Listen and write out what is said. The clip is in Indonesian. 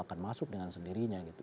akan masuk dengan sendirinya gitu